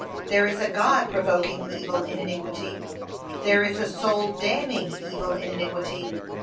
There is a God provoking evil in iniquity. There is a soul damning evil in iniquity.